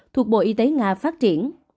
thuộc bộ y tế nga phát triển